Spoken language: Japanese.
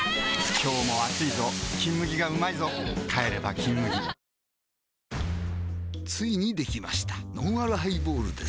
今日も暑いぞ「金麦」がうまいぞ帰れば「金麦」ついにできましたのんあるハイボールです